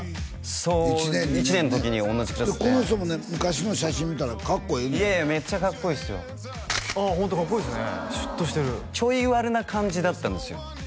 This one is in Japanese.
そう１年の時に同じクラスでこの人もね昔の写真見たらかっこええねんいやいやめっちゃかっこいいですよああホントかっこいいですねシュッとしてるちょい悪な感じだったんですよ